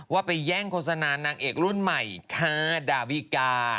ว่าไปแย่งโฆษณานางเอกรุ่นใหม่ค่ะดาวิกา